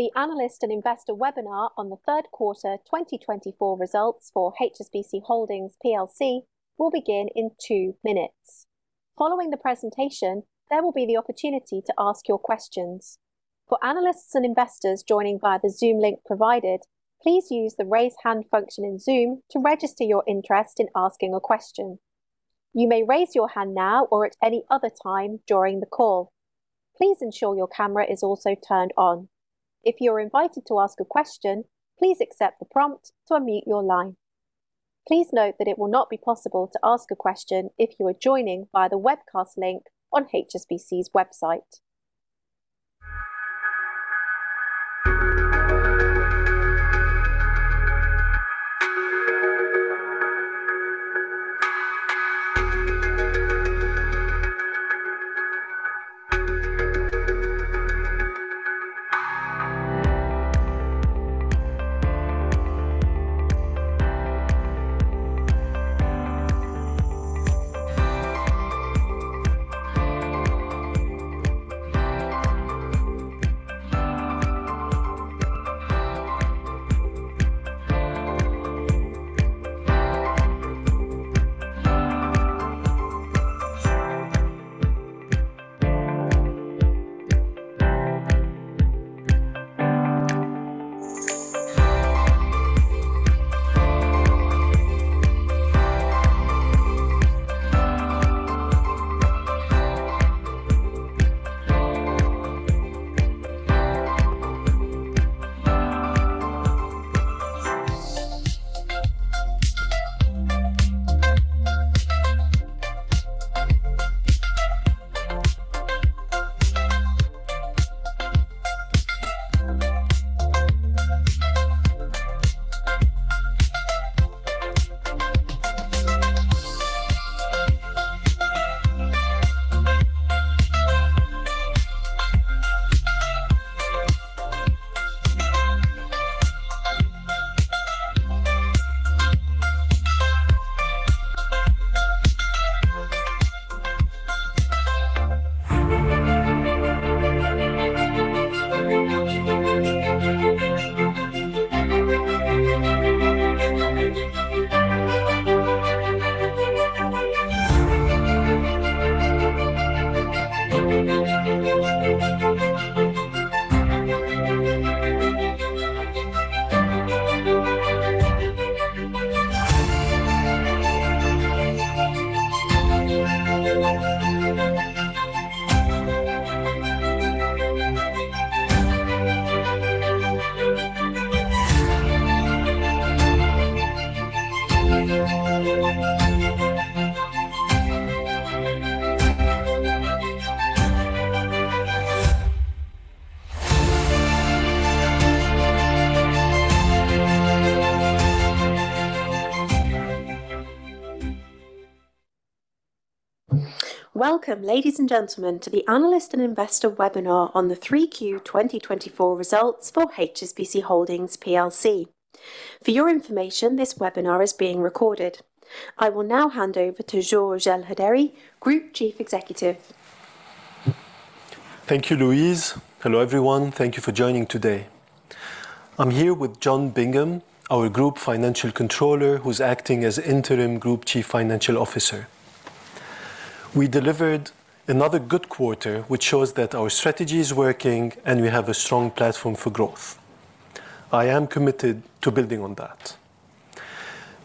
The analyst and investor webinar on the third quarter 2024 results for HSBC Holdings PLC will begin in two minutes. Following the presentation, there will be the opportunity to ask your questions. For analysts and investors joining via the Zoom link provided, please use the Raise Hand function in Zoom to register your interest in asking a question. You may raise your hand now or at any other time during the call. Please ensure your camera is also turned on. If you're invited to ask a question, please accept the prompt to unmute your line. Please note that it will not be possible to ask a question if you are joining via the webcast link on HSBC's website. Welcome, ladies and gentlemen, to the analyst and investor webinar on the three Q twenty twenty-four results for HSBC Holdings PLC. For your information, this webinar is being recorded. I will now hand over to Georges Elhedery, Group Chief Executive. Thank you, Louise. Hello, everyone. Thank you for joining today. I'm here with John Bingham, our Group Financial Controller, who's acting as Interim Group Chief Financial Officer. We delivered another good quarter, which shows that our strategy is working and we have a strong platform for growth. I am committed to building on that.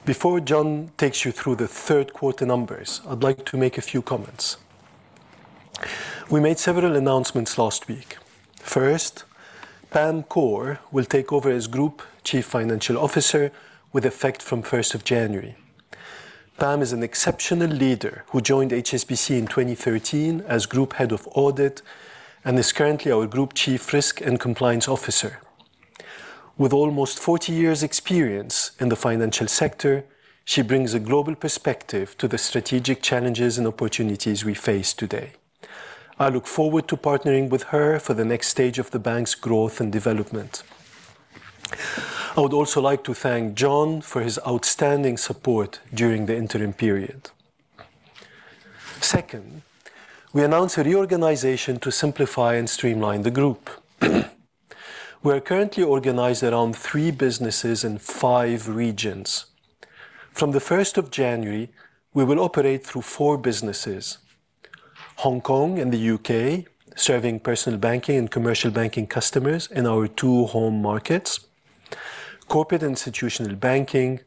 Before John takes you through the third quarter numbers, I'd like to make a few comments. We made several announcements last week. First, Pam Kaur will take over as Group Chief Financial Officer with effect from first of January. Pam is an exceptional leader, who joined HSBC in 2013 as Group Head of Audit, and is currently our Group Chief Risk and Compliance Officer. With almost 40 years' experience in the financial sector, she brings a global perspective to the strategic challenges and opportunities we face today. I look forward to partnering with her for the next stage of the bank's growth and development. I would also like to thank John for his outstanding support during the interim period. Second, we announced a reorganization to simplify and streamline the group. We are currently organized around three businesses in five regions. From the first of January, we will operate through four businesses: Hong Kong and the UK, serving personal banking and commercial banking customers in our two home markets, corporate institutional banking,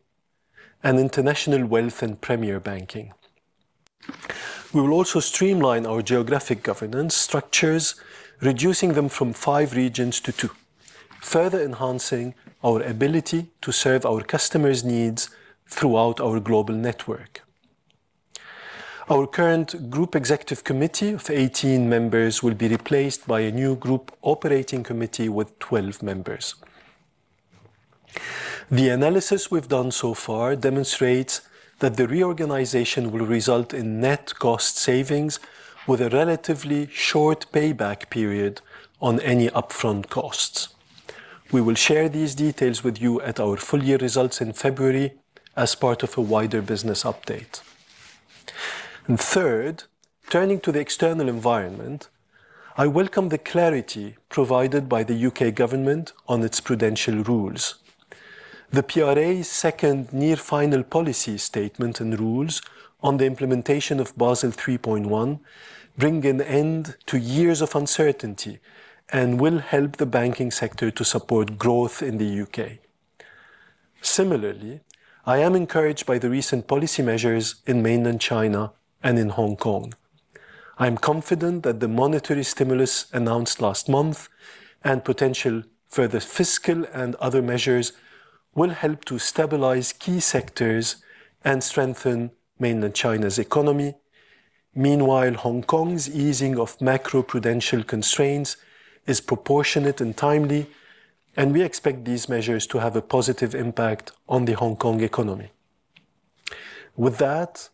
and international wealth and premier banking. We will also streamline our geographic governance structures, reducing them from five regions to two, further enhancing our ability to serve our customers' needs throughout our global network. Our current Group Executive Committee of 18 members will be replaced by a new Group Operating Committee with 12 members. The analysis we've done so far demonstrates that the reorganization will result in net cost savings with a relatively short payback period on any upfront costs. We will share these details with you at our full year results in February as part of a wider business update. Third, turning to the external environment, I welcome the clarity provided by the UK government on its prudential rules. The PRA's second near final policy statement and rules on the implementation of Basel 3.1 bring an end to years of uncertainty, and will help the banking sector to support growth in the UK. Similarly, I am encouraged by the recent policy measures in mainland China and in Hong Kong. I am confident that the monetary stimulus announced last month, and potential further fiscal and other measures, will help to stabilize key sectors and strengthen mainland China's economy. Meanwhile, Hong Kong's easing of macro-prudential constraints is proportionate and timely, and we expect these measures to have a positive impact on the Hong Kong economy. With that,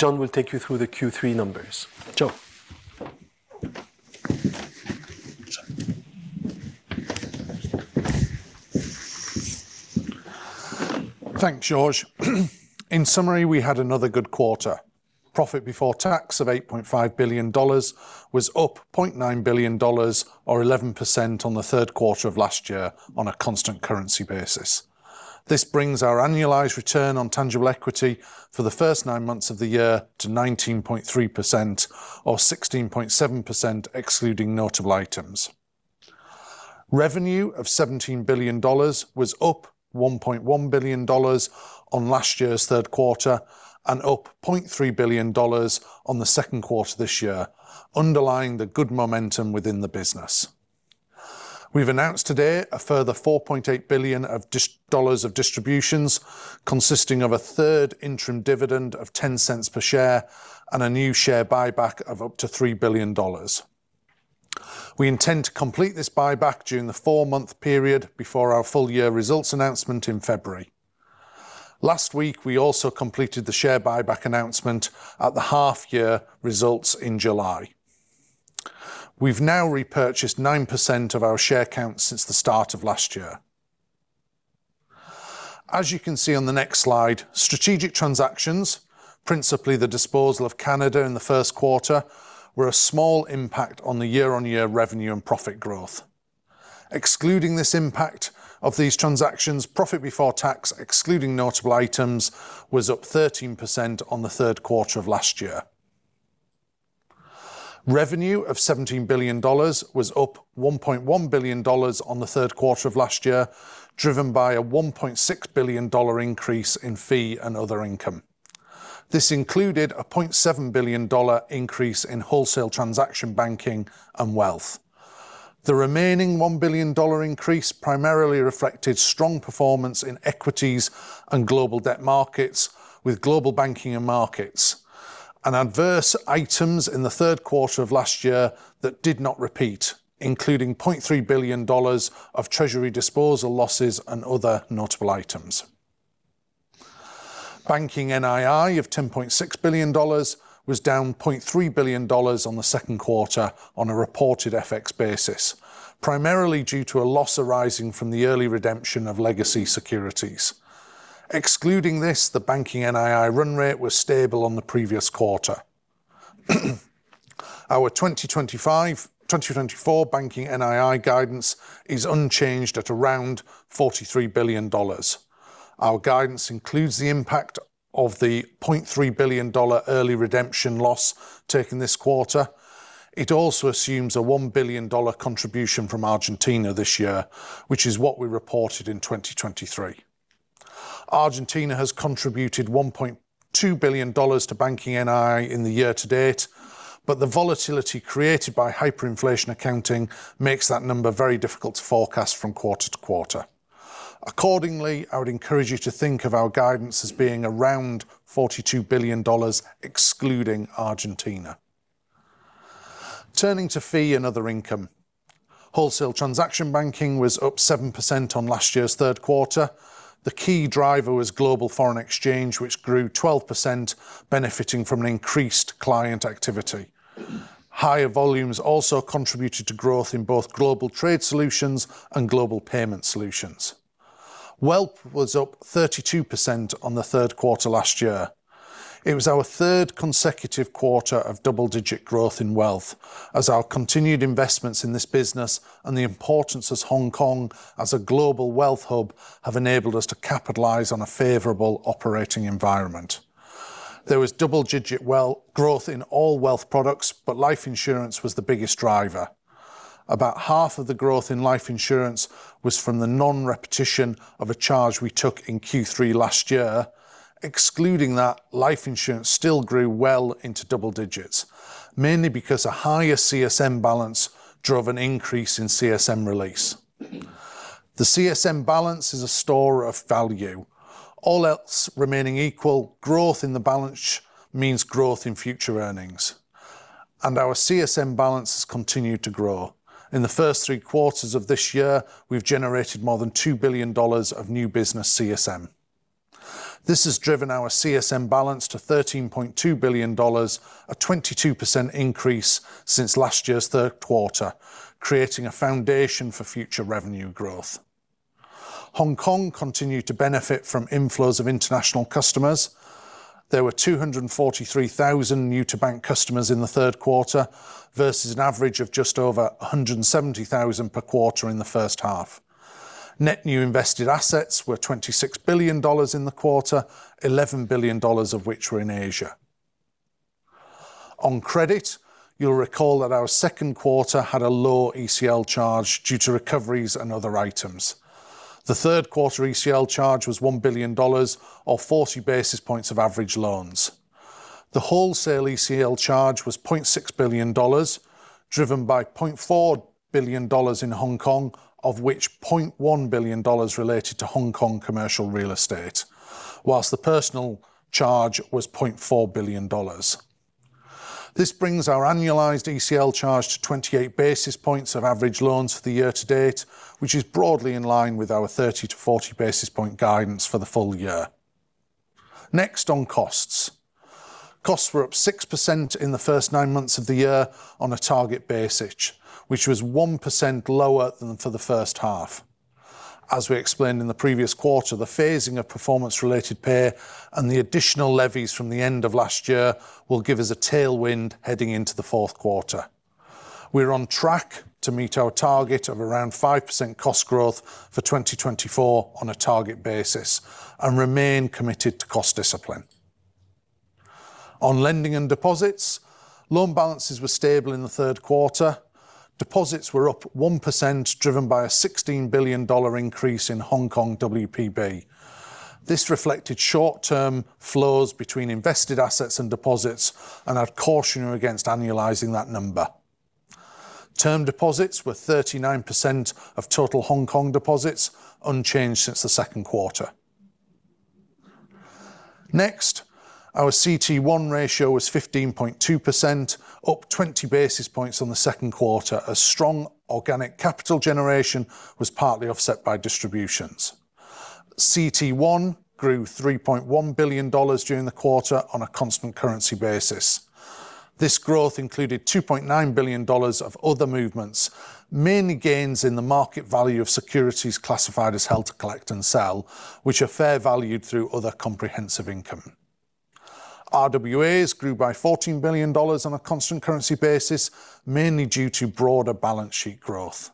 John will take you through the Q3 numbers. Joe? Thanks, Georges. In summary, we had another good quarter. Profit before tax of $8.5 billion was up $0.9 billion, or 11% on the third quarter of last year on a constant currency basis. This brings our annualized return on tangible equity for the first nine months of the year to 19.3%, or 16.7% excluding notable items. Revenue of $17 billion was up $1.1 billion on last year's third quarter, and up $0.3 billion on the second quarter this year, underlying the good momentum within the business. We've announced today a further $4.8 billion of dollars of distributions, consisting of a third interim dividend of $0.10 per share and a new share buyback of up to $3 billion. We intend to complete this buyback during the four-month period before our full year results announcement in February. Last week, we also completed the share buyback announcement at the half year results in July. We've now repurchased 9% of our share count since the start of last year. As you can see on the next slide, strategic transactions, principally the disposal of Canada in the first quarter, were a small impact on the year-on-year revenue and profit growth. Excluding this impact of these transactions, profit before tax, excluding notable items, was up 13% on the third quarter of last year. Revenue of $17 billion was up $1.1 billion on the third quarter of last year, driven by a $1.6 billion increase in fee and other income. This included a $0.7 billion increase in wholesale transaction banking and wealth. The remaining $1 billion increase primarily reflected strong performance in equities and global debt markets, with global banking and markets, and adverse items in the third quarter of last year that did not repeat, including $0.3 billion of treasury disposal losses and other notable items. Banking NII of $10.6 billion was down $0.3 billion on the second quarter on a reported FX basis, primarily due to a loss arising from the early redemption of legacy securities. Excluding this, the banking NII run rate was stable on the previous quarter. Our 2024 banking NII guidance is unchanged at around $43 billion. Our guidance includes the impact of the $0.3 billion early redemption loss taken this quarter. It also assumes a $1 billion contribution from Argentina this year, which is what we reported in 2023. Argentina has contributed $1.2 billion to Banking NII in the year to date, but the volatility created by hyperinflation accounting makes that number very difficult to forecast from quarter to quarter. Accordingly, I would encourage you to think of our guidance as being around $42 billion, excluding Argentina. Turning to fee and other income. Wholesale transaction banking was up 7% on last year's third quarter. The key driver was global foreign exchange, which grew 12%, benefiting from an increased client activity. Higher volumes also contributed to growth in both global trade solutions and global payment solutions. Wealth was up 32% on the third quarter last year. It was our third consecutive quarter of double-digit growth in wealth, as our continued investments in this business and the importance as Hong Kong as a global wealth hub have enabled us to capitalize on a favorable operating environment. There was double-digit growth in all wealth products, but life insurance was the biggest driver. About half of the growth in life insurance was from the non-repetition of a charge we took in Q3 last year. Excluding that, life insurance still grew well into double digits, mainly because a higher CSM balance drove an increase in CSM release. The CSM balance is a store of value. All else remaining equal, growth in the balance means growth in future earnings, and our CSM balance has continued to grow. In the first three quarters of this year, we've generated more than $2 billion of new business CSM. This has driven our CSM balance to $13.2 billion, a 22% increase since last year's third quarter, creating a foundation for future revenue growth. Hong Kong continued to benefit from inflows of international customers. There were 243,000 new-to-bank customers in the third quarter, versus an average of just over 170,000 per quarter in the first half. Net new invested assets were $26 billion in the quarter, $11 billion of which were in Asia. On credit, you'll recall that our second quarter had a low ECL charge due to recoveries and other items. The third quarter ECL charge was $1 billion, or 40 basis points of average loans. The wholesale ECL charge was $0.6 billion, driven by $0.4 billion in Hong Kong, of which $0.1 billion related to Hong Kong commercial real estate, while the personal charge was $0.4 billion. This brings our annualized ECL charge to 28 basis points of average loans for the year to date, which is broadly in line with our 30-40 basis points guidance for the full year. Next, on costs. Costs were up 6% in the first nine months of the year on a target basis, which was 1% lower than for the first half. As we explained in the previous quarter, the phasing of performance-related pay and the additional levies from the end of last year will give us a tailwind heading into the fourth quarter. We're on track to meet our target of around 5% cost growth for twenty twenty-four on a target basis and remain committed to cost discipline. On lending and deposits, loan balances were stable in the third quarter. Deposits were up 1%, driven by a $16 billion increase in Hong Kong WPB. This reflected short-term flows between invested assets and deposits, and I'd caution you against annualizing that number. Term deposits were 39% of total Hong Kong deposits, unchanged since the second quarter. Next, our CT1 ratio was 15.2%, up 20 basis points on the second quarter, as strong organic capital generation was partly offset by distributions. CT1 grew $3.1 billion during the quarter on a constant currency basis. This growth included $2.9 billion of other movements, mainly gains in the market value of securities classified as held to collect and sell, which are fair valued through other comprehensive income. RWAs grew by $14 billion on a constant currency basis, mainly due to broader balance sheet growth.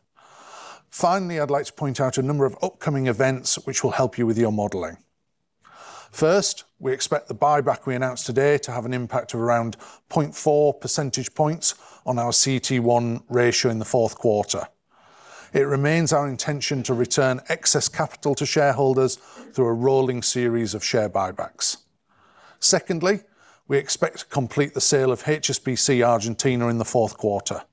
Finally, I'd like to point out a number of upcoming events which will help you with your modeling. First, we expect the buyback we announced today to have an impact of around 0.4 percentage points on our CT1 ratio in the fourth quarter. It remains our intention to return excess capital to shareholders through a rolling series of share buybacks. Secondly, we expect to complete the sale of HSBC Argentina in the fourth quarter.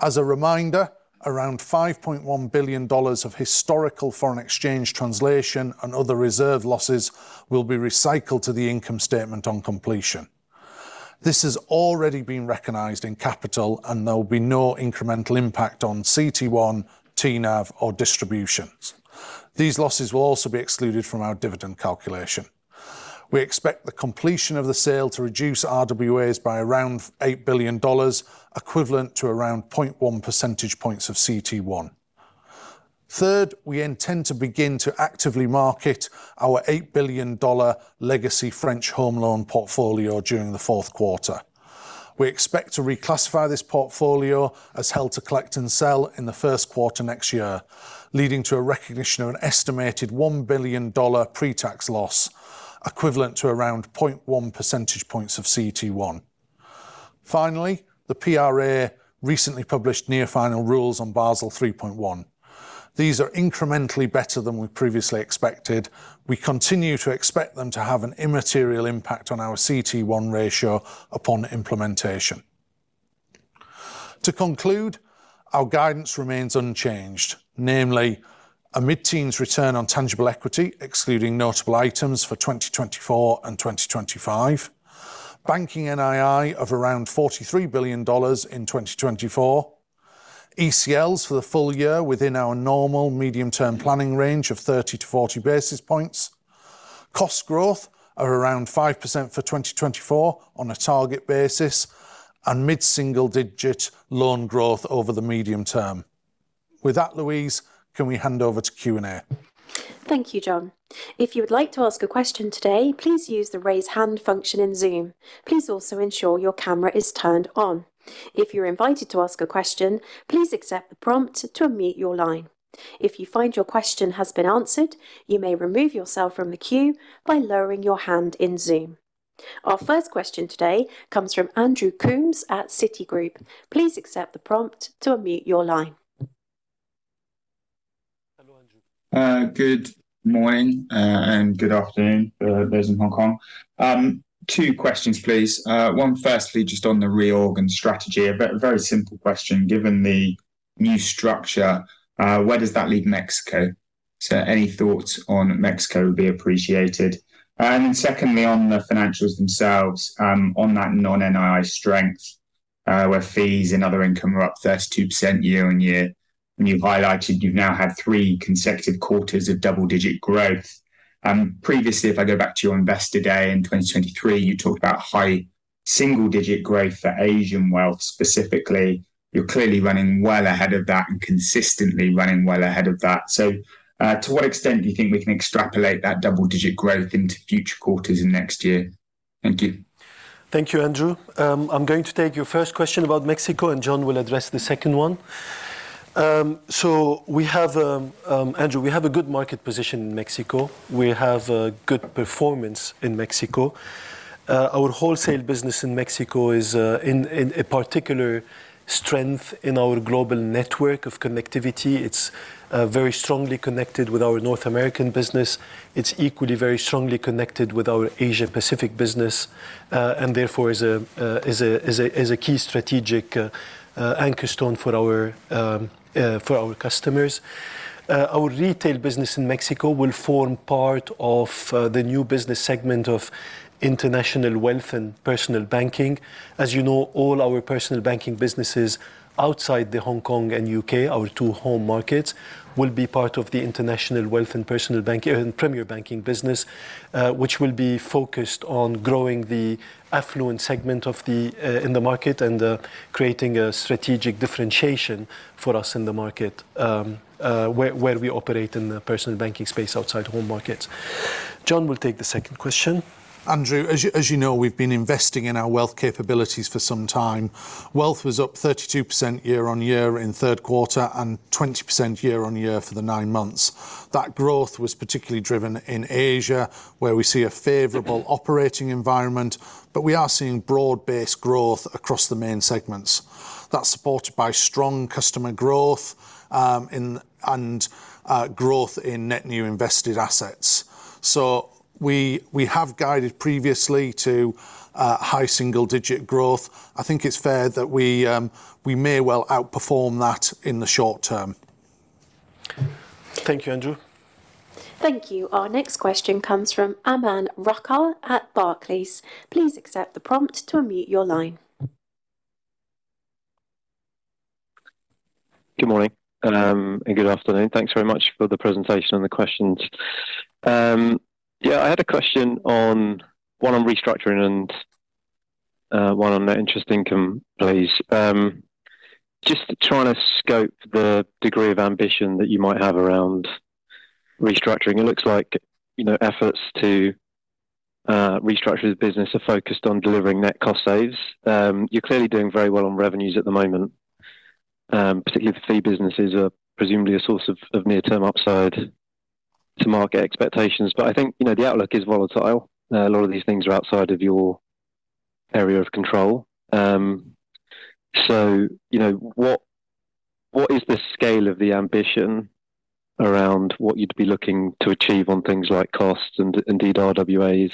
As a reminder, around $5.1 billion of historical foreign exchange translation and other reserve losses will be recycled to the income statement on completion. This has already been recognized in capital, and there will be no incremental impact on CT1, TNAV, or distributions. These losses will also be excluded from our dividend calculation. We expect the completion of the sale to reduce RWAs by around $8 billion, equivalent to around 0.1 percentage points of CT1. Third, we intend to begin to actively market our $8 billion legacy French home loan portfolio during the fourth quarter. We expect to reclassify this portfolio as held to collect and sell in the first quarter next year, leading to a recognition of an estimated $1 billion pre-tax loss, equivalent to around 0.1 percentage points of CT1. Finally, the PRA recently published near final rules on Basel 3.1. These are incrementally better than we previously expected. We continue to expect them to have an immaterial impact on our CT1 ratio upon implementation. To conclude, our guidance remains unchanged, namely, a mid-teens return on tangible equity, excluding notable items for 2024 and 2025. Banking NII of around $43 billion in 2024. ECLs for the full year within our normal medium-term planning range of thirty to forty basis points. Cost growth are around 5% for 2024 on a target basis, and mid-single-digit loan growth over the medium term. With that, Louise, can we hand over to Q&A? Thank you, John. If you would like to ask a question today, please use the Raise Hand function in Zoom. Please also ensure your camera is turned on. If you're invited to ask a question, please accept the prompt to unmute your line. If you find your question has been answered, you may remove yourself from the queue by lowering your hand in Zoom. Our first question today comes from Andrew Coombs at Citigroup. Please accept the prompt to unmute your line. Good morning, and good afternoon, those in Hong Kong. Two questions, please. One, firstly, just on the reorg and strategy, a very, very simple question: Given the new structure, where does that leave Mexico? So any thoughts on Mexico would be appreciated. And secondly, on the financials themselves, on that non-NII strength, where fees and other income are up 32% year-on-year, and you've highlighted you've now had three consecutive quarters of double-digit growth. Previously, if I go back to your Investor Day in 2023, you talked about high single-digit growth for Asian wealth specifically. You're clearly running well ahead of that and consistently running well ahead of that. So, to what extent do you think we can extrapolate that double-digit growth into future quarters in next year? Thank you. Thank you, Andrew. I'm going to take your first question about Mexico, and John will address the second one. So we have, Andrew, we have a good market position in Mexico. We have a good performance in Mexico. Our wholesale business in Mexico is in a particular strength in our global network of connectivity. It's very strongly connected with our North American business. It's equally very strongly connected with our Asia Pacific business, and therefore is a key strategic cornerstone for our customers. Our retail business in Mexico will form part of the new business segment of International Wealth and Personal Banking. As you know, all our personal banking businesses outside the Hong Kong and U.K., our two home markets, will be part of the international wealth and personal banking and premier banking business, which will be focused on growing the affluent segment in the market and creating a strategic differentiation for us in the market, where we operate in the personal banking space outside home markets. John will take the second question. Andrew, as you know, we've been investing in our wealth capabilities for some time. Wealth was up 32% year-on-year in third quarter, and 20% year-on-year for the nine months. That growth was particularly driven in Asia, where we see a favorable operating environment, but we are seeing broad-based growth across the main segments. That's supported by strong customer growth, and growth in net new invested assets. So we have guided previously to high single-digit growth. I think it's fair that we may well outperform that in the short term. Thank you, Andrew. Thank you. Our next question comes from Aman Rakkar at Barclays. Please accept the prompt to unmute your line. Good morning, and good afternoon. Thanks very much for the presentation and the questions. Yeah, I had a question, one on restructuring and one on net interest income, please. Just trying to scope the degree of ambition that you might have around restructuring. It looks like, you know, efforts to restructure the business are focused on delivering net cost saves. You're clearly doing very well on revenues at the moment, particularly the fee businesses are presumably a source of near-term upside to market expectations. But I think, you know, the outlook is volatile. A lot of these things are outside of your area of control. You know, what, what is the scale of the ambition around what you'd be looking to achieve on things like costs and indeed RWAs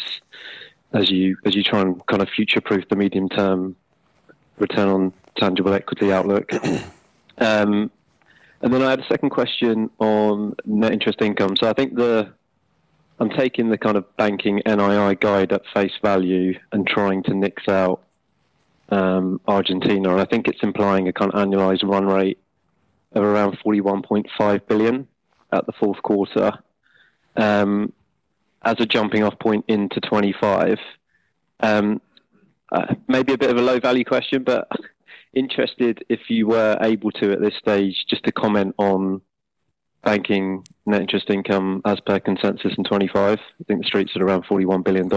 as you, as you try and kinda future-proof the medium-term return on tangible equity outlook? And then I had a second question on net interest income. So I think I'm taking the kind of banking NII guide at face value and trying to nix out Argentina, and I think it's implying a kind of annualized run rate of around $41.5 billion at the fourth quarter, as a jumping off point into 2025. Maybe a bit of a low-value question, but interested if you were able to, at this stage, just to comment on banking net interest income as per consensus in 2025. I think the street's at around $41 billion.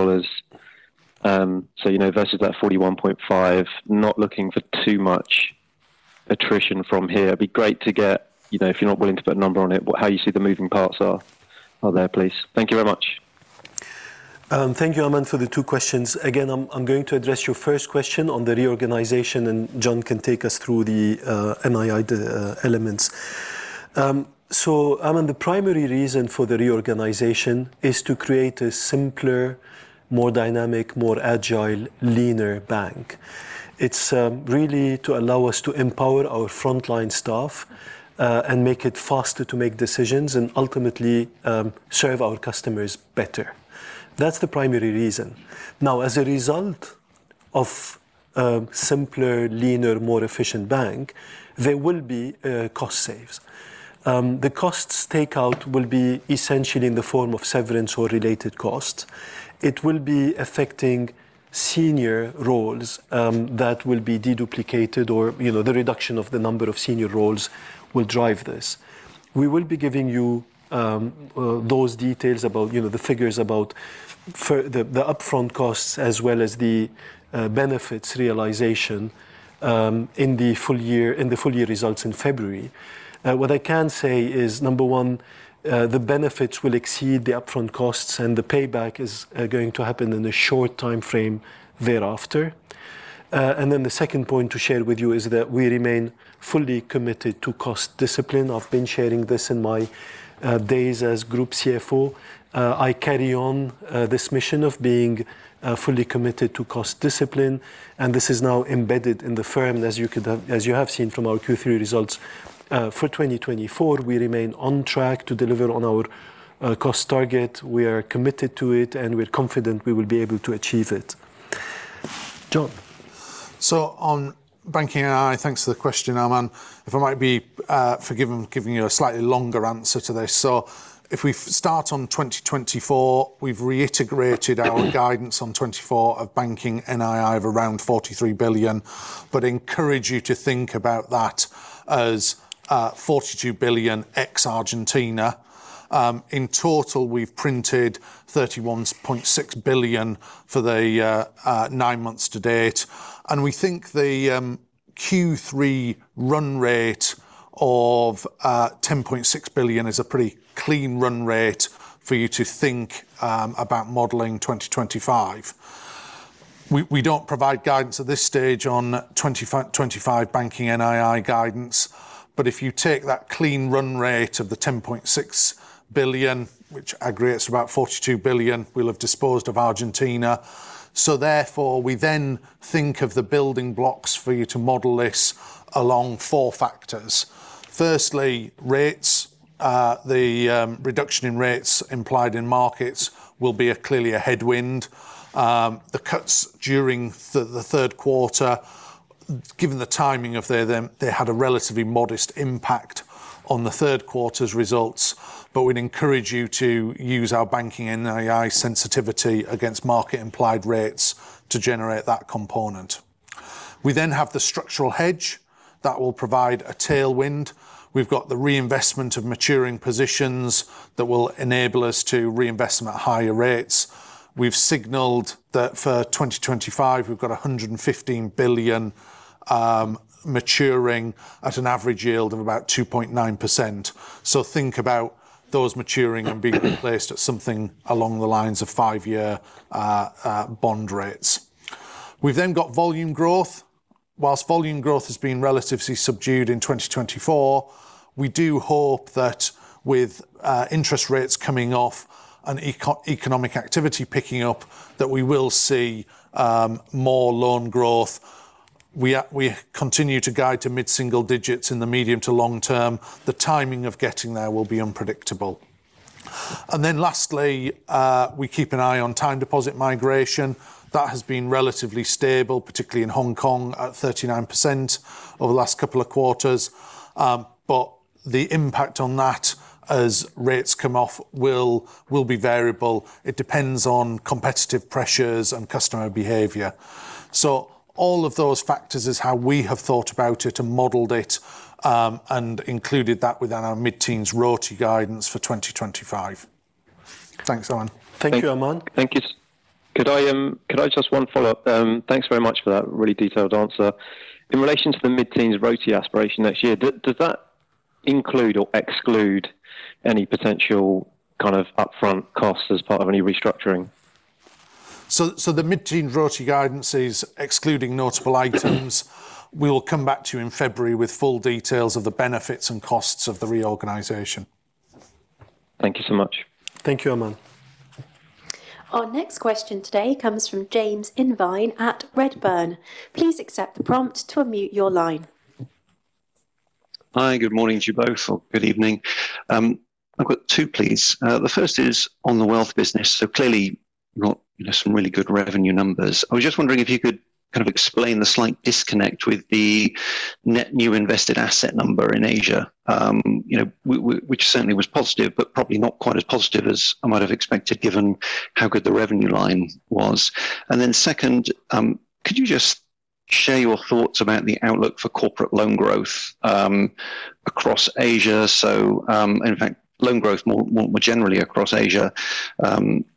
So, you know, versus that 41.5, not looking for too much attrition from here. It'd be great to get, you know, if you're not willing to put a number on it, but how you see the moving parts are, out there, please. Thank you very much. Thank you, Aman, for the two questions. Again, I'm going to address your first question on the reorganization, and John can take us through the NII, the elements. So, Aman, the primary reason for the reorganization is to create a simpler, more dynamic, more agile, leaner bank. It's really to allow us to empower our frontline staff, and make it faster to make decisions and ultimately serve our customers better. That's the primary reason. Now, as a result of a simpler, leaner, more efficient bank, there will be cost saves. The costs takeout will be essentially in the form of severance or related costs. It will be affecting senior roles that will be duplicated, or, you know, the reduction of the number of senior roles will drive this. We will be giving you those details about, you know, the figures about the upfront costs, as well as the benefits realization, in the full year, in the full year results in February. What I can say is, number one, the benefits will exceed the upfront costs, and the payback is going to happen in a short timeframe thereafter, and then the second point to share with you is that we remain fully committed to cost discipline. I've been sharing this in my days as Group CFO. I carry on this mission of being fully committed to cost discipline, and this is now embedded in the firm, as you have seen from our Q3 results. For 2024, we remain on track to deliver on our cost target. We are committed to it, and we're confident we will be able to achieve it. John?... So on banking, and I, thanks for the question, Aman. If I might be forgiven giving you a slightly longer answer to this. So if we start on 2024, we've reiterated our guidance on 2024 of banking NII of around $43 billion, but encourage you to think about that as $42 billion ex-Argentina. In total, we've printed $31.6 billion for the nine months to date, and we think the Q3 run rate of $10.6 billion is a pretty clean run rate for you to think about modeling 2025. We don't provide guidance at this stage on 2025 banking NII guidance, but if you take that clean run rate of the $10.6 billion, which aggregates to about $42 billion, we'll have disposed of Argentina. So therefore, we then think of the building blocks for you to model this along four factors. Firstly, rates. The reduction in rates implied in markets will be clearly a headwind. The cuts during the third quarter, given the timing of them, they had a relatively modest impact on the third quarter's results, but we'd encourage you to use our Banking NII sensitivity against market-implied rates to generate that component. We then have the Structural Hedge. That will provide a tailwind. We've got the reinvestment of maturing positions that will enable us to reinvest them at higher rates. We've signaled that for 2025, we've got 115 billion maturing at an average yield of about 2.9%. So think about those maturing and being replaced at something along the lines of five-year bond rates. We've then got volume growth. While volume growth has been relatively subdued in twenty twenty-four, we do hope that with interest rates coming off and economic activity picking up, that we will see more loan growth. We continue to guide to mid-single digits in the medium to long term. The timing of getting there will be unpredictable. And then lastly, we keep an eye on time deposit migration. That has been relatively stable, particularly in Hong Kong, at 39% over the last couple of quarters. But the impact on that, as rates come off, will be variable. It depends on competitive pressures and customer behavior. So all of those factors is how we have thought about it and modeled it, and included that within our mid-teens ROTE guidance for twenty twenty-five. Thanks, Aman. Thank you, Aman. Thank you. Could I just one follow-up? Thanks very much for that really detailed answer. In relation to the mid-teens ROTE aspiration next year, does that include or exclude any potential kind of upfront costs as part of any restructuring? So, the mid-teens ROTE guidance is excluding notable items. We will come back to you in February with full details of the benefits and costs of the reorganization. Thank you so much. Thank you, Aman. Our next question today comes from James Invine at Redburn. Please accept the prompt to unmute your line. Hi, good morning to you both, or good evening. I've got two, please. The first is on the wealth business. So clearly, you got some really good revenue numbers. I was just wondering if you could kind of explain the slight disconnect with the net new invested asset number in Asia. You know, which certainly was positive, but probably not quite as positive as I might have expected, given how good the revenue line was. And then second, could you just share your thoughts about the outlook for corporate loan growth across Asia? So, and in fact, loan growth more generally across Asia.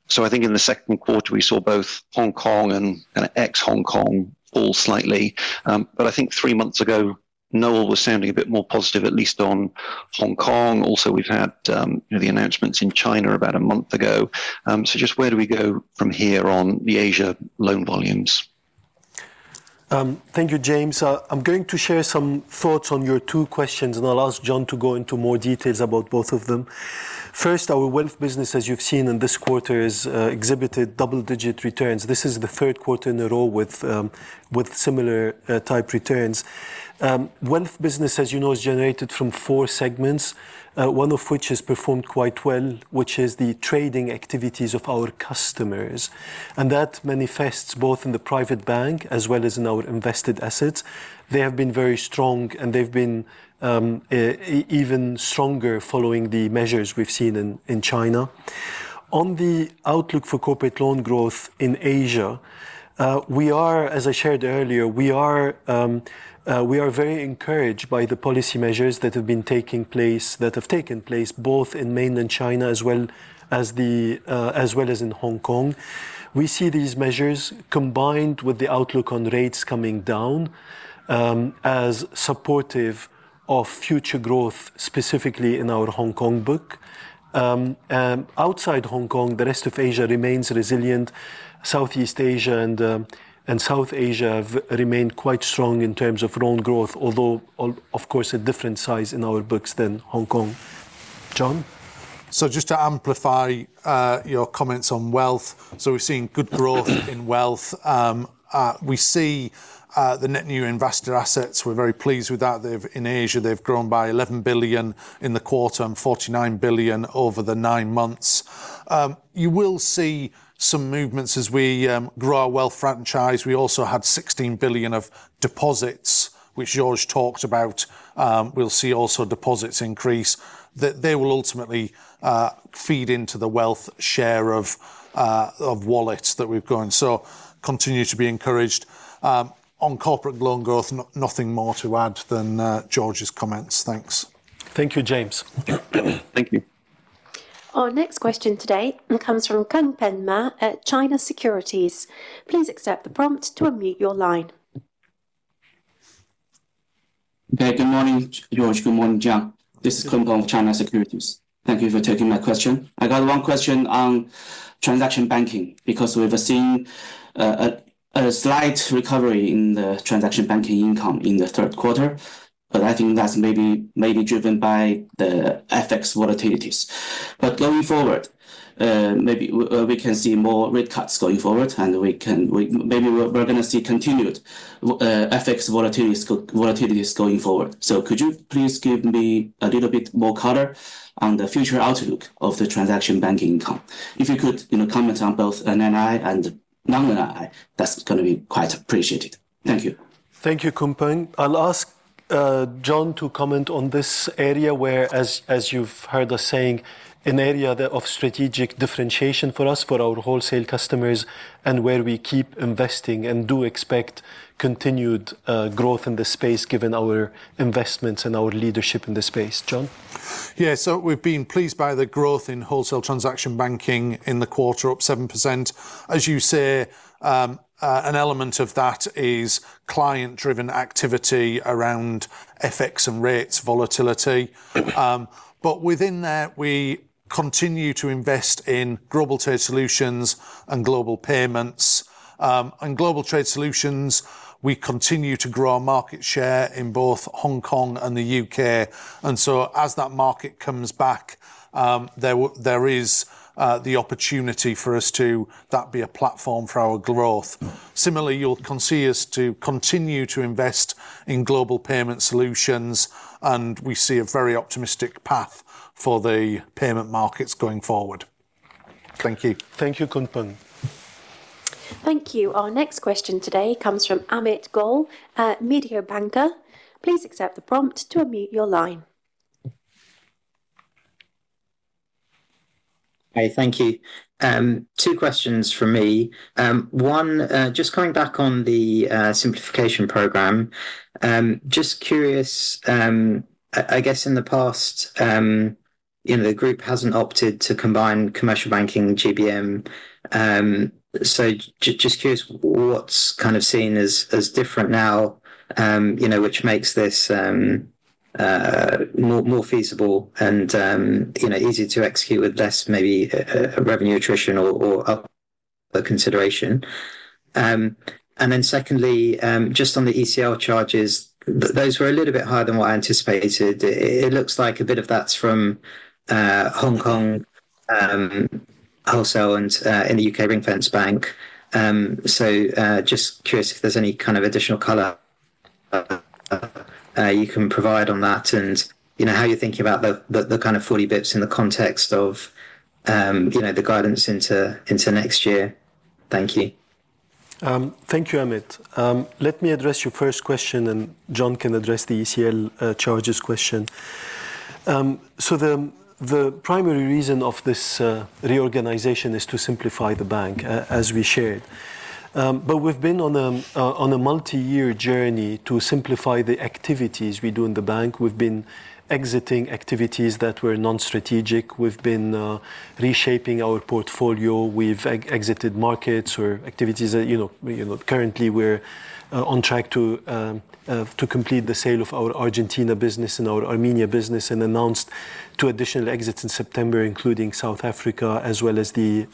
So I think in the second quarter, we saw both Hong Kong and ex-Hong Kong fall slightly. But I think three months ago, Noel was sounding a bit more positive, at least on Hong Kong. Also, we've had the announcements in China about a month ago. So just where do we go from here on the Asia loan volumes? Thank you, James. I'm going to share some thoughts on your two questions, and I'll ask John to go into more details about both of them. First, our wealth business, as you've seen in this quarter, has exhibited double-digit returns. This is the third quarter in a row with similar type returns. Wealth business, as you know, is generated from four segments, one of which has performed quite well, which is the trading activities of our customers, and that manifests both in the private bank as well as in our invested assets. They have been very strong, and they've been even stronger following the measures we've seen in China. On the outlook for corporate loan growth in Asia, we are, as I shared earlier, very encouraged by the policy measures that have taken place, both in Mainland China as well as in Hong Kong. We see these measures, combined with the outlook on rates coming down, as supportive of future growth, specifically in our Hong Kong book. And outside Hong Kong, the rest of Asia remains resilient. Southeast Asia and South Asia have remained quite strong in terms of loan growth, although, of course, a different size in our books than Hong Kong. John? So just to amplify your comments on wealth. We're seeing good growth in wealth. We see the net new investor assets. We're very pleased with that. In Asia, they've grown by $11 billion in the quarter and $49 billion over the nine months. You will see some movements as we grow our wealth franchise. We also had $16 billion of deposits, which Georges talked about. We'll see also deposits increase. That they will ultimately feed into the wealth share of wallets that we've got. So continue to be encouraged. On corporate loan growth, nothing more to add than Georges' comments. Thanks. Thank you, James. Thank you. Our next question today comes from Kunpeng Ma at China Securities. Please accept the prompt to unmute your line. Okay. Good morning, Georges. Good morning, John. This is Kunpeng Ma of China Securities. Thank you for taking my question. I got one question on transaction banking, because we've seen a slight recovery in the transaction banking income in the third quarter, but I think that's maybe driven by the FX volatilities. But going forward, maybe we can see more rate cuts going forward, and we can maybe we're going to see continued FX volatilities going forward. So could you please give me a little bit more color on the future outlook of the transaction banking income? If you could, you know, comment on both NNI and non-NNI, that's going to be quite appreciated. Thank you. Thank you, Kunpeng. I'll ask John to comment on this area where, as you've heard us saying, an area that of strategic differentiation for us, for our wholesale customers, and where we keep investing and do expect continued growth in this space, given our investments and our leadership in this space. John? Yeah. So we've been pleased by the growth in wholesale transaction banking in the quarter, up 7%. As you say, an element of that is client-driven activity around FX and rates volatility. But within that, we continue to invest in global trade solutions and global payments. In global trade solutions, we continue to grow our market share in both Hong Kong and the UK. And so, as that market comes back, there is the opportunity for us to that be a platform for our growth. Similarly, you'll can see us to continue to invest in global payment solutions, and we see a very optimistic path for the payment markets going forward. Thank you. Thank you, Kunpeng. Thank you. Our next question today comes from Amit Goyal at Mediobanca. Please accept the prompt to unmute your line. Hi, thank you. Two questions from me. One, just coming back on the simplification program. Just curious, I guess, in the past, you know, the group hasn't opted to combine commercial banking GBM. So just curious, what's kind of seen as different now, you know, which makes this more feasible and, you know, easier to execute with less, maybe, revenue attrition or other consideration? And then secondly, just on the ECL charges, those were a little bit higher than what I anticipated. It looks like a bit of that's from Hong Kong also and in the UK Ring-Fence Bank. Just curious if there's any kind of additional color you can provide on that and, you know, how you're thinking about the kind of full-year bits in the context of, you know, the guidance into next year. Thank you. Thank you, Amit. Let me address your first question, and John can address the ECL charges question. So the primary reason of this reorganization is to simplify the bank, as we shared. But we've been on a multi-year journey to simplify the activities we do in the bank. We've been exiting activities that were non-strategic. We've been reshaping our portfolio. We've exited markets or activities that, you know... You know, currently, we're on track to complete the sale of our Argentina business and our Armenia business, and announced two additional exits in September, including South Africa, as well as the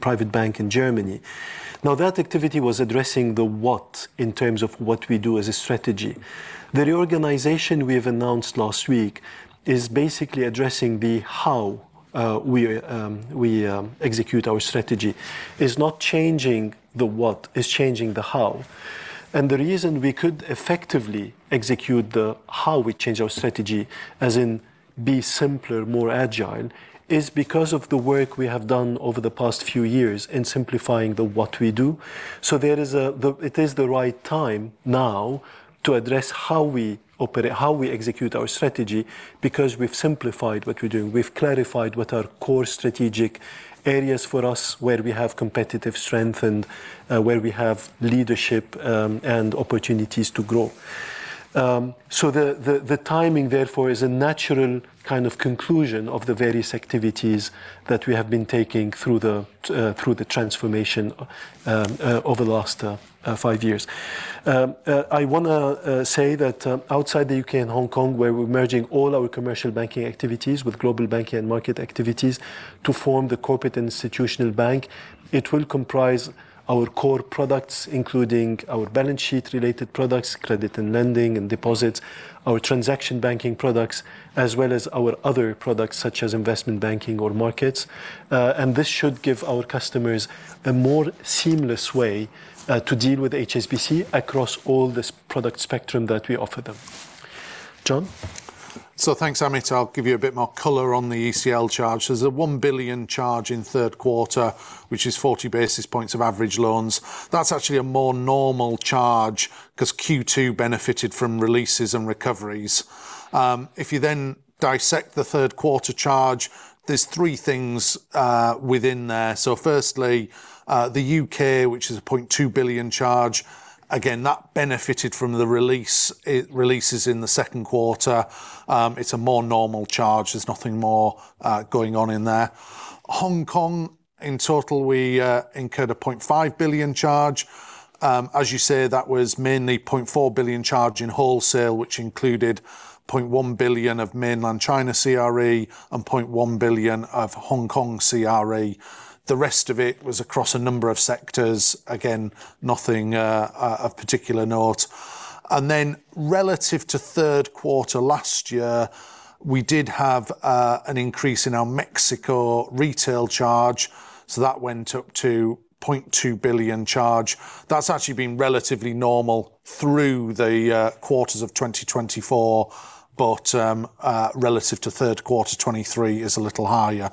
private bank in Germany. Now, that activity was addressing the what in terms of what we do as a strategy. The reorganization we've announced last week is basically addressing the how we execute our strategy. It's not changing the what, it's changing the how. The reason we could effectively execute the how we change our strategy, as in be simpler, more agile, is because of the work we have done over the past few years in simplifying the what we do. It is the right time now to address how we operate, how we execute our strategy, because we've simplified what we're doing. We've clarified what are core strategic areas for us, where we have competitive strength and where we have leadership and opportunities to grow. So the timing, therefore, is a natural kind of conclusion of the various activities that we have been taking through the transformation over the last five years. I wanna say that outside the UK and Hong Kong, where we're merging all our commercial banking activities with global banking and markets activities to form the corporate and institutional bank, it will comprise our core products, including our balance sheet-related products, credit and lending, and deposits, our transaction banking products, as well as our other products, such as investment banking or markets. And this should give our customers a more seamless way to deal with HSBC across all this product spectrum that we offer them... John? So thanks, Amit. I'll give you a bit more color on the ECL charge. There's a $1 billion charge in third quarter, which is 40 basis points of average loans. That's actually a more normal charge, 'cause Q2 benefited from releases and recoveries. If you then dissect the third quarter charge, there's three things within there. So firstly, the UK, which is a $0.2 billion charge. Again, that benefited from the releases in the second quarter. It's a more normal charge. There's nothing more going on in there. Hong Kong, in total, we incurred a $0.5 billion charge. As you say, that was mainly $0.4 billion charge in wholesale, which included $0.1 billion of Mainland China CRE and $0.1 billion of Hong Kong CRE. The rest of it was across a number of sectors. Again, nothing of particular note. Then, relative to third quarter last year, we did have an increase in our Mexico retail charge, so that went up to $0.2 billion charge. That's actually been relatively normal through the quarters of 2024, but relative to third quarter 2023 is a little higher.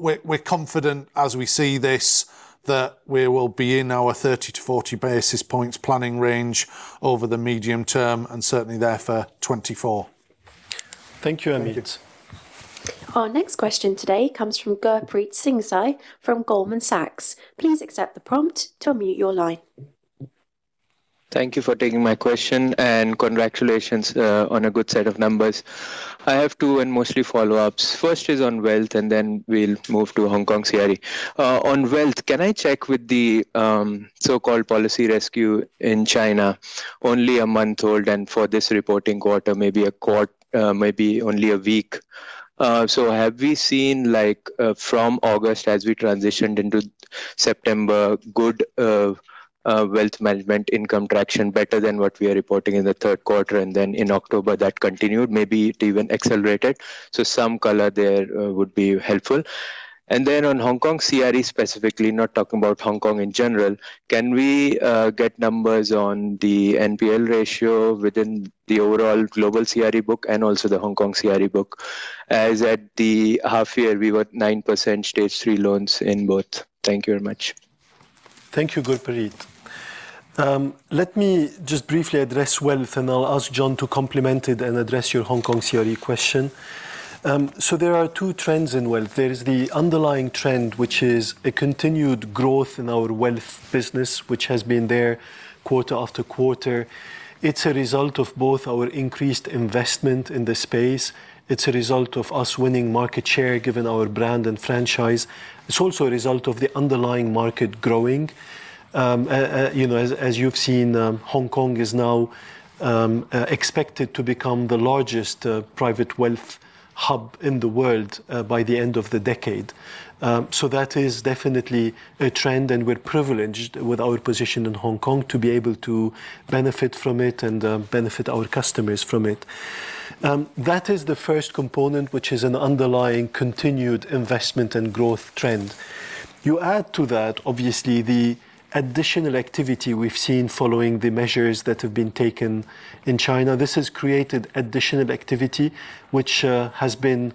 We're confident as we see this, that we will be in our 30-40 basis points planning range over the medium term, and certainly there for 2024. Thank you, Amit. Our next question today comes from Gurpreet Singh Sahi from Goldman Sachs. Please accept the prompt to unmute your line. Thank you for taking my question, and congratulations on a good set of numbers. I have two, and mostly follow-ups. First is on wealth, and then we'll move to Hong Kong CRE. On wealth, can I check with the so-called policy rescue in China? Only a month old, and for this reporting quarter, maybe only a week. So have we seen like from August as we transitioned into September, good wealth management income traction better than what we are reporting in the third quarter, and then in October that continued, maybe it even accelerated? So some color there would be helpful. On Hong Kong CRE, specifically, not talking about Hong Kong in general, can we get numbers on the NPL ratio within the overall global CRE book and also the Hong Kong CRE book, as at the half year we were 9% Stage Three loans in both. Thank you very much. Thank you, Gurpreet. Let me just briefly address wealth, and I'll ask John to complement it and address your Hong Kong CRE question, so there are two trends in wealth. There is the underlying trend, which is a continued growth in our wealth business, which has been there quarter after quarter. It's a result of both our increased investment in the space. It's a result of us winning market share, given our brand and franchise. It's also a result of the underlying market growing. You know, as you've seen, Hong Kong is now expected to become the largest private wealth hub in the world by the end of the decade. So that is definitely a trend, and we're privileged with our position in Hong Kong to be able to benefit from it and benefit our customers from it. That is the first component, which is an underlying continued investment and growth trend. You add to that, obviously, the additional activity we've seen following the measures that have been taken in China. This has created additional activity, which has been,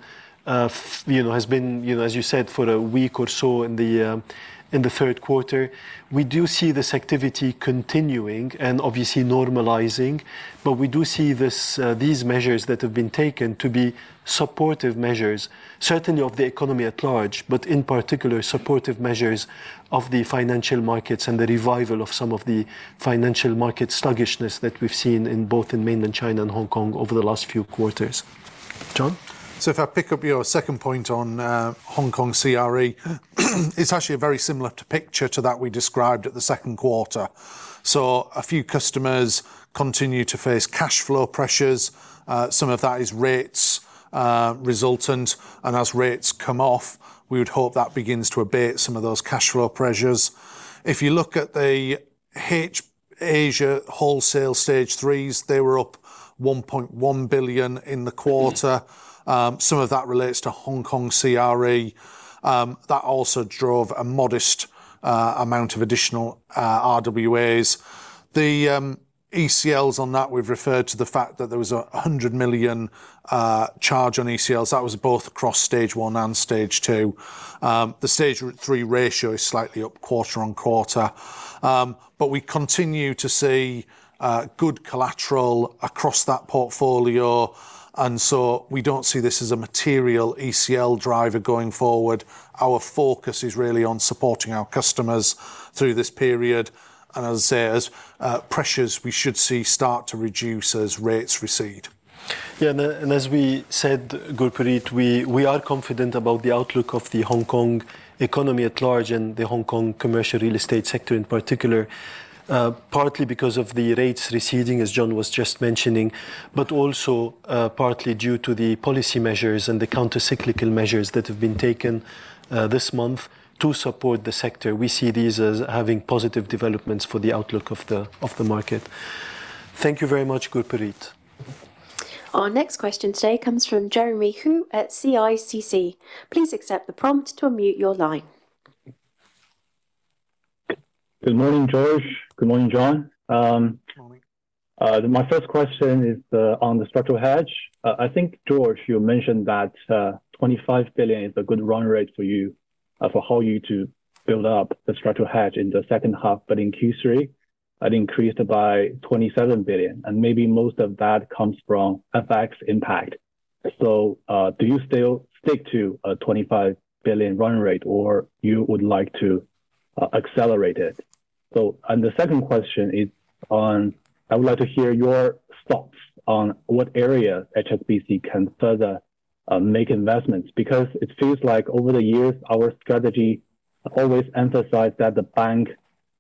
you know, as you said, for a week or so in the third quarter. We do see this activity continuing and obviously normalizing, but we do see this, these measures that have been taken to be supportive measures, certainly of the economy at large, but in particular, supportive measures of the financial markets and the revival of some of the financial market sluggishness that we've seen in both Mainland China and Hong Kong over the last few quarters. John? So if I pick up your second point on Hong Kong CRE, it's actually a very similar picture to that we described at the second quarter. So a few customers continue to face cash flow pressures. Some of that is rates resultant, and as rates come off, we would hope that begins to abate some of those cash flow pressures. If you look at the Asia wholesale Stage threes, they were up $1.1 billion in the quarter. Some of that relates to Hong Kong CRE. That also drove a modest amount of additional RWAs. The ECLs on that, we've referred to the fact that there was a $100 million charge on ECLs. That was both across Stage One and Stage Two. The Stage Three ratio is slightly up quarter on quarter. But we continue to see good collateral across that portfolio, and so we don't see this as a material ECL driver going forward. Our focus is really on supporting our customers through this period, and as I say, as pressures we should see start to reduce as rates recede. Yeah, and as we said, Gurpreet, we are confident about the outlook of the Hong Kong economy at large and the Hong Kong commercial real estate sector in particular, partly because of the rates receding, as John was just mentioning, but also, partly due to the policy measures and the countercyclical measures that have been taken, this month to support the sector. We see these as having positive developments for the outlook of the market. Thank you very much, Gurpreet. Our next question today comes from Jeremy Hou at CICC. Please accept the prompt to unmute your line.... Good morning, Georges. Good morning, John. Good morning. My first question is on the structural hedge. I think, Georges, you mentioned that twenty-five billion is a good run rate for you for how you to build up the structural hedge in the second half. But in Q3, that increased by twenty-seven billion, and maybe most of that comes from FX impact. So, do you still stick to a twenty-five billion run rate, or you would like to accelerate it? And the second question is on... I would like to hear your thoughts on what area HSBC can further make investments, because it feels like over the years, our strategy always emphasized that the bank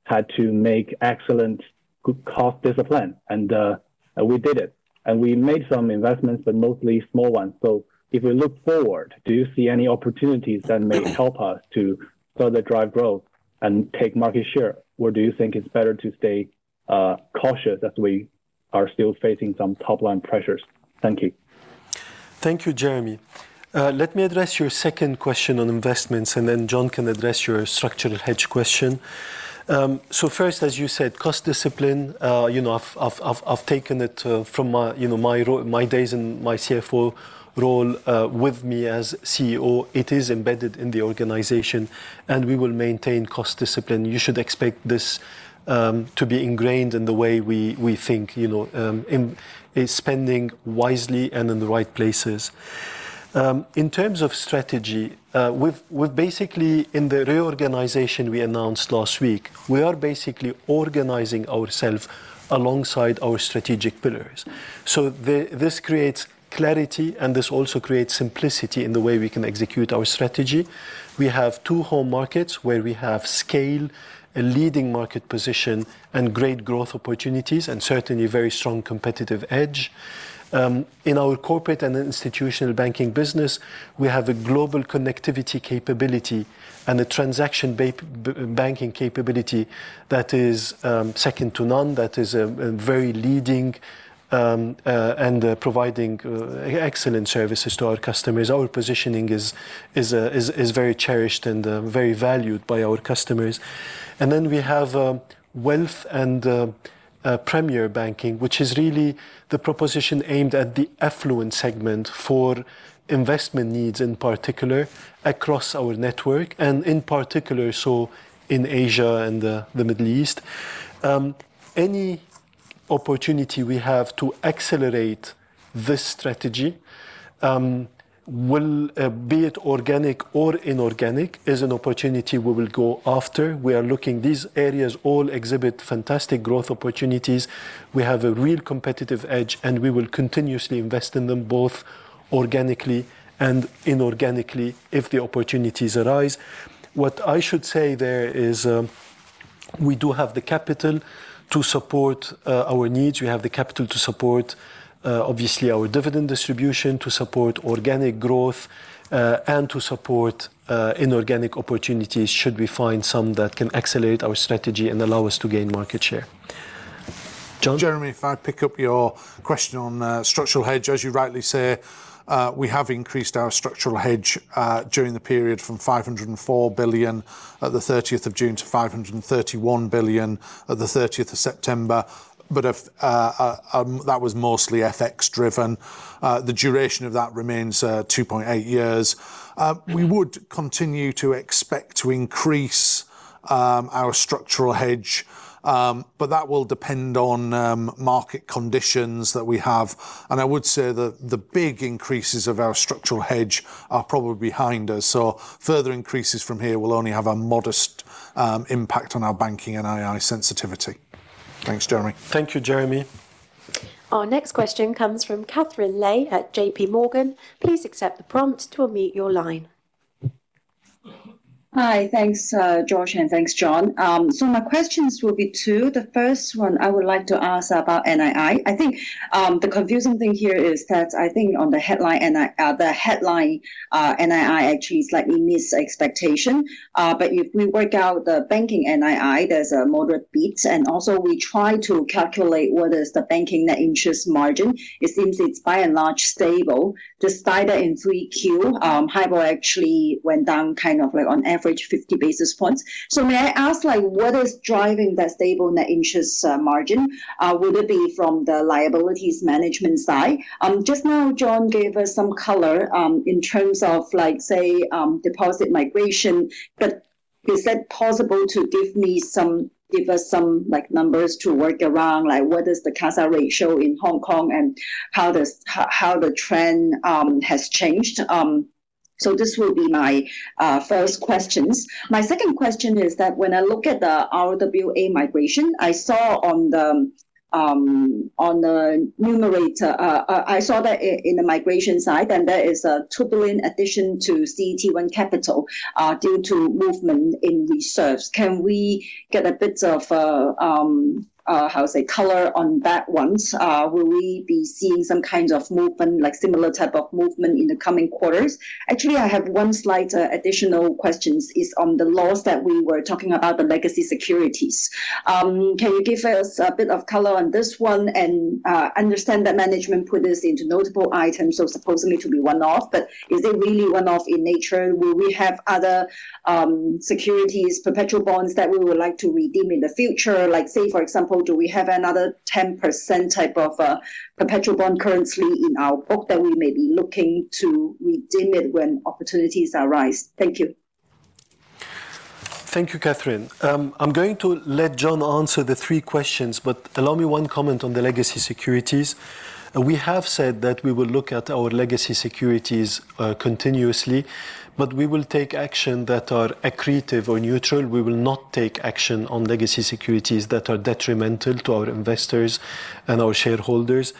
had to make excellent good cost discipline, and we did it. And we made some investments, but mostly small ones. So if we look forward, do you see any opportunities that may help us to further drive growth and take market share, or do you think it's better to stay cautious as we are still facing some top-line pressures? Thank you. Thank you, Jeremy. Let me address your second question on investments, and then John can address your structural hedge question. So first, as you said, cost discipline, you know, I've taken it from my, you know, my days in my CFO role with me as CEO. It is embedded in the organization, and we will maintain cost discipline. You should expect this to be ingrained in the way we think, you know, in spending wisely and in the right places. In terms of strategy, we've basically, in the reorganization we announced last week, we are basically organizing ourselves alongside our strategic pillars. This creates clarity, and this also creates simplicity in the way we can execute our strategy. We have two home markets where we have scale, a leading market position, and great growth opportunities, and certainly very strong competitive edge. In our corporate and institutional banking business, we have a global connectivity capability and a transaction banking capability that is second to none, that is very leading and providing excellent services to our customers. Our positioning is very cherished and very valued by our customers. And then we have wealth and premier banking, which is really the proposition aimed at the affluent segment for investment needs, in particular, across our network, and in particular, so in Asia and the Middle East. Any opportunity we have to accelerate this strategy, will, be it organic or inorganic, is an opportunity we will go after. These areas all exhibit fantastic growth opportunities. We have a real competitive edge, and we will continuously invest in them, both organically and inorganically, if the opportunities arise. What I should say there is, we do have the capital to support our needs. We have the capital to support, obviously, our dividend distribution, to support organic growth, and to support inorganic opportunities, should we find some that can accelerate our strategy and allow us to gain market share. John? Jeremy, if I pick up your question on structural hedge, as you rightly say, we have increased our structural hedge during the period from $504 billion at the thirtieth of June to $531 billion at the thirtieth of September. But that was mostly FX driven. The duration of that remains 2.8 years. We would continue to expect to increase our structural hedge, but that will depend on market conditions that we have. And I would say that the big increases of our structural hedge are probably behind us, so further increases from here will only have a modest impact on our banking NII sensitivity. Thanks, Jeremy. Thank you, Jeremy. Our next question comes from Katherine Lei at J.P. Morgan. Please accept the prompt to unmute your line. Hi. Thanks, George, and thanks, John. So my questions will be two. The first one I would like to ask about NII. I think the confusing thing here is that I think on the headline NII actually slightly missed expectation. But if we work out the banking NII, there's a moderate beat. And also, we try to calculate what is the banking net interest margin. It seems it's by and large stable, despite that in 3Q, HIBOR actually went down kind of like on average fifty basis points. So may I ask, like, what is driving that stable net interest margin? Would it be from the liabilities management side? Just now, John gave us some color, in terms of like, say, deposit migration, but is that possible to give me some—give us some, like, numbers to work around? Like, what is the CASA ratio in Hong Kong, and how does—how the trend has changed? So this will be my first questions. My second question is that when I look at the RWA migration, I saw on the numerator that in the migration side, and there is a favourable addition to CET1 capital, due to movement in reserves. Can we get a bit of color on that as well? Will we be seeing some kind of movement, like similar type of movement in the coming quarters? Actually, I have one slight additional question on the loss that we were talking about, the legacy securities. Can you give us a bit of color on this one? And understand that management put this into notable items, so supposedly to be one-off, but is it really one-off in nature? Will we have other securities, perpetual bonds, that we would like to redeem in the future? Like, say, for example, do we have another 10% type of perpetual bond currently in our book that we may be looking to redeem it when opportunities arise? Thank you.... Thank you, Catherine. I'm going to let John answer the three questions, but allow me one comment on the legacy securities. We have said that we will look at our legacy securities, continuously, but we will take action that are accretive or neutral. We will not take action on legacy securities that are detrimental to our investors and our shareholders.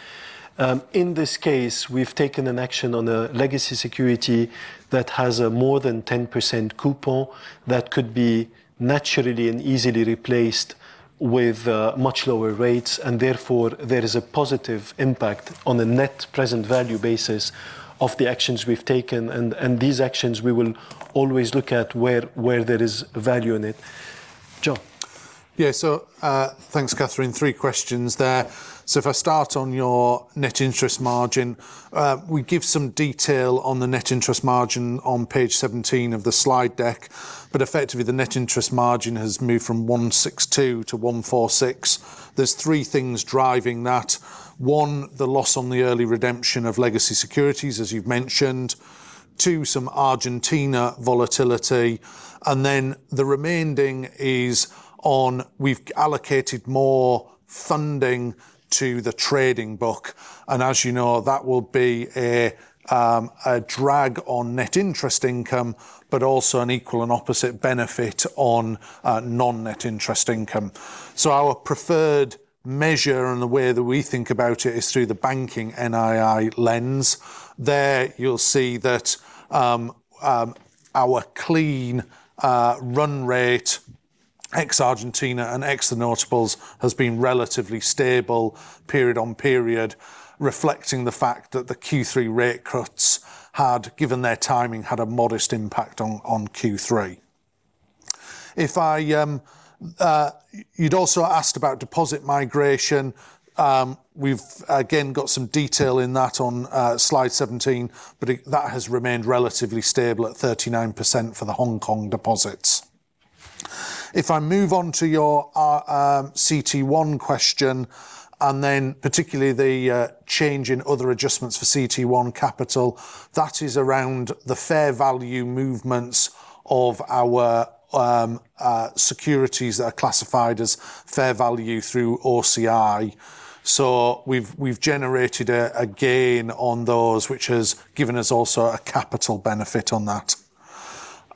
In this case, we've taken an action on a legacy security that has a more than 10% coupon that could be naturally and easily replaced with, much lower rates, and therefore, there is a positive impact on the net present value basis of the actions we've taken. And, and these actions, we will always look at where, where there is value in it. John? Yeah. So, thanks, Catherine. Three questions there. So if I start on your net interest margin, we give some detail on the net interest margin on page 17 of the slide deck. But effectively, the net interest margin has moved from 162 to 146. There are three things driving that: one, the loss on the early redemption of legacy securities, as you've mentioned. Two, some Argentina volatility. And then the remaining is on. We've allocated more funding to the trading book, and as you know, that will be a drag on net interest income, but also an equal and opposite benefit on non-net interest income. So our preferred measure and the way that we think about it is through the banking NII lens. There, you'll see that, our clean, run rate, ex-Argentina and ex the notables, has been relatively stable period on period, reflecting the fact that the Q3 rate cuts had, given their timing, had a modest impact on Q3. If I... You'd also asked about deposit migration. We've again got some detail in that on, slide 17, but it-- that has remained relatively stable at 39% for the Hong Kong deposits. If I move on to your, CT1 question, and then particularly the, change in other adjustments for CT1 capital, that is around the fair value movements of our, securities that are classified as fair value through OCI. So we've generated a gain on those, which has given us also a capital benefit on that.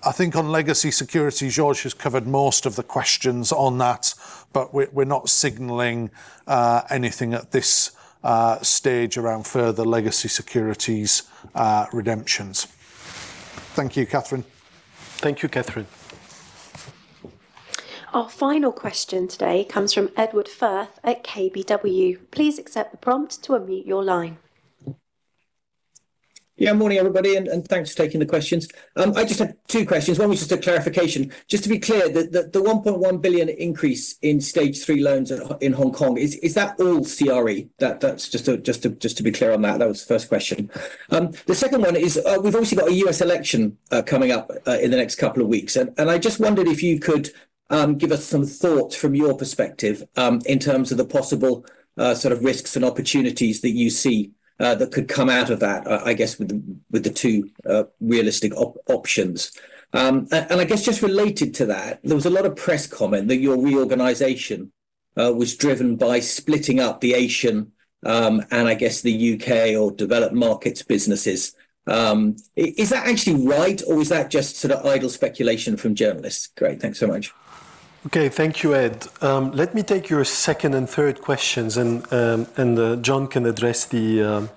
I think on legacy securities, Georges has covered most of the questions on that, but we're not signaling anything at this stage around further legacy securities redemptions. Thank you, Katherine. Thank you, Katherine. Our final question today comes from Edward Firth at KBW. Please accept the prompt to unmute your line. Yeah, morning, everybody, and thanks for taking the questions. I just have two questions. One was just a clarification. Just to be clear, the 1.1 billion increase in Stage 3 loans in Hong Kong, is that all CRE? That's just to be clear on that. That was the first question. The second one is, we've obviously got a U.S. election coming up in the next couple of weeks, and I just wondered if you could give us some thoughts from your perspective, in terms of the possible sort of risks and opportunities that you see, that could come out of that, I guess, with the two realistic options. I guess just related to that, there was a lot of press comment that your reorganization was driven by splitting up the Asian and I guess the UK or developed markets businesses. Is that actually right, or is that just sort of idle speculation from journalists? Great. Thanks so much. Okay. Thank you, Ed. Let me take your second and third questions, and John can address the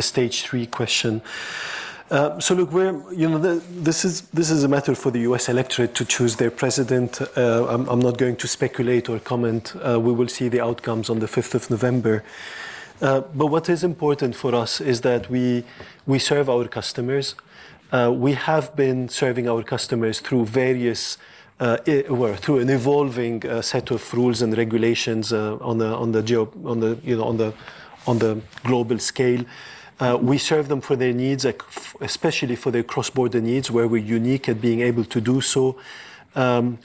Stage 3 question. So look, we're, you know, this is a matter for the U.S. electorate to choose their president. I'm not going to speculate or comment. We will see the outcomes on the fifth of November. But what is important for us is that we serve our customers. We have been serving our customers through various, well, through an evolving set of rules and regulations, on the, you know, on the global scale. We serve them for their needs, especially for their cross-border needs, where we're unique at being able to do so.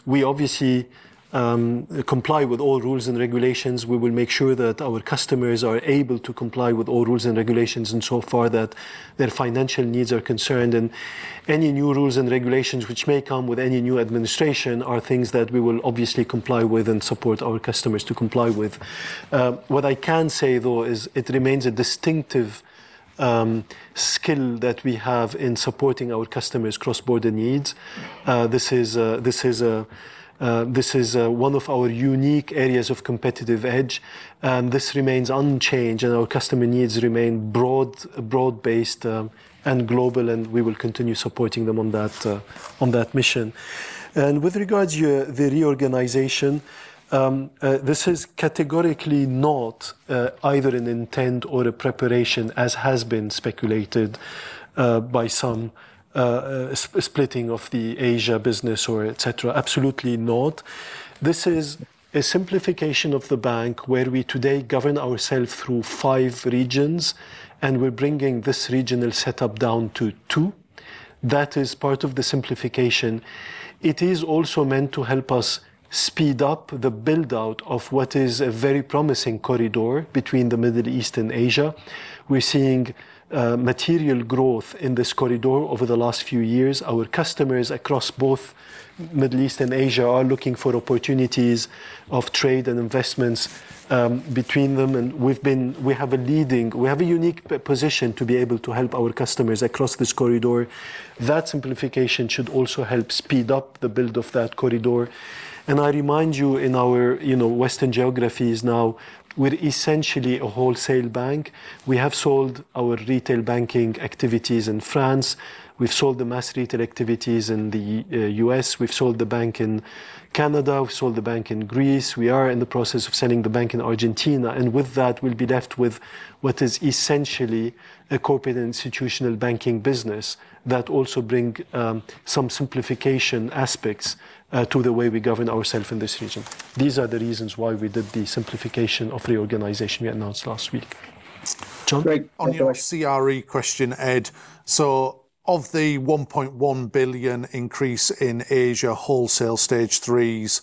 We obviously comply with all rules and regulations. We will make sure that our customers are able to comply with all rules and regulations, and so far, that their financial needs are concerned, and any new rules and regulations which may come with any new administration are things that we will obviously comply with and support our customers to comply with. What I can say, though, is it remains a distinctive skill that we have in supporting our customers' cross-border needs. This is one of our unique areas of competitive edge, and this remains unchanged, and our customer needs remain broad, broad-based, and global, and we will continue supporting them on that mission. And with regards the reorganization, this is categorically not either an intent or a preparation, as has been speculated by some, splitting of the Asia business or et cetera. Absolutely not. This is a simplification of the bank, where we today govern ourself through five regions, and we're bringing this regional setup down to two. That is part of the simplification. It is also meant to help us speed up the build-out of what is a very promising corridor between the Middle East and Asia. We're seeing material growth in this corridor over the last few years. Our customers across both Middle East and Asia are looking for opportunities of trade and investments between them, and we have a unique position to be able to help our customers across this corridor. That simplification should also help speed up the build of that corridor... And I remind you, in our, you know, Western geographies now, we're essentially a wholesale bank. We have sold our retail banking activities in France. We've sold the mass retail activities in the U.S. We've sold the bank in Canada. We've sold the bank in Greece. We are in the process of selling the bank in Argentina, and with that, we'll be left with what is essentially a corporate and institutional banking business that also bring some simplification aspects to the way we govern ourself in this region. These are the reasons why we did the simplification of the organization we announced last week. John? Great. On your CRE question, Ed, so of the $1.1 billion increase in Asia wholesale Stage 3s,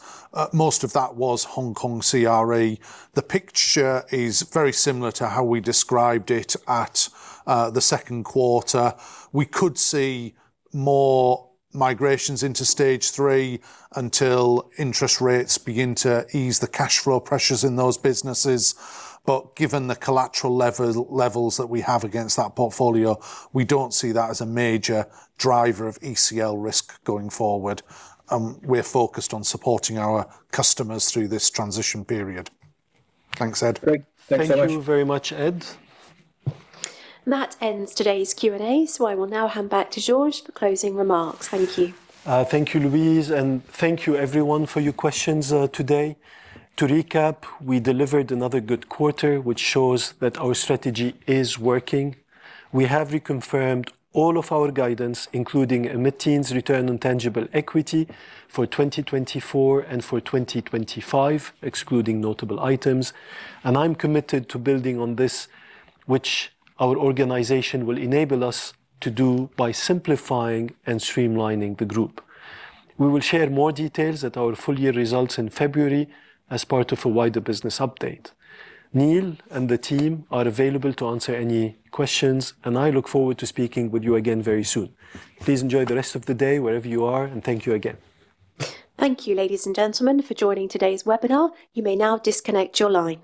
most of that was Hong Kong CRE. The picture is very similar to how we described it at the second quarter. We could see more migrations into Stage 3 until interest rates begin to ease the cash flow pressures in those businesses. But given the collateral levels that we have against that portfolio, we don't see that as a major driver of ECL risk going forward. We're focused on supporting our customers through this transition period. Thanks, Ed. Great. Thanks so much. Thank you very much, Ed. That ends today's Q&A, so I will now hand back to Georges for closing remarks. Thank you. Thank you, Louise, and thank you everyone for your questions, today. To recap, we delivered another good quarter, which shows that our strategy is working. We have reconfirmed all of our guidance, including mid-teens return on tangible equity for 2024 and for 2025, excluding notable items, and I'm committed to building on this, which our organization will enable us to do by simplifying and streamlining the group. We will share more details at our full year results in February as part of a wider business update. Neil and the team are available to answer any questions, and I look forward to speaking with you again very soon. Please enjoy the rest of the day, wherever you are, and thank you again. Thank you, ladies and gentlemen, for joining today's webinar. You may now disconnect your line.